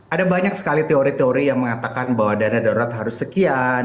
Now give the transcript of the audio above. ada banyak sekali teori teori yang mengatakan bahwa dana darurat harus sekian